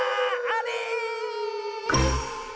あれ！